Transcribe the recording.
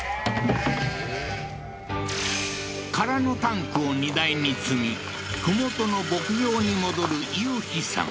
空のタンクを荷台に積み麓の牧場に戻る雄飛さん